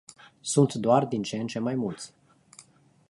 Sunt doar din ce în ce mai mulți.